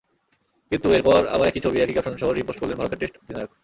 কিন্তু এরপর আবার একই ছবি, একই ক্যাপশনসহ রি-পোস্ট করলেন ভারতের টেস্ট অধিনায়ক।